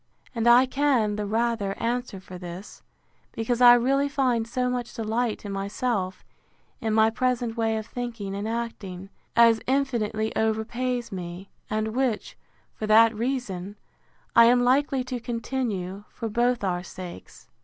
And I can the rather answer for this, because I really find so much delight in myself in my present way of thinking and acting, as infinitely overpays me; and which, for that reason, I am likely to continue, for both our sakes.